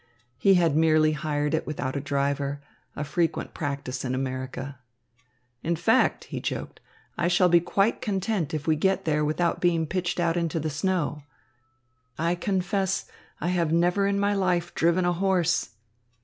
He had merely hired it without a driver, a frequent practice in America. "In fact," he joked, "I shall be quite content if we get there without being pitched out into the snow. I confess, I have never in my life driven a horse."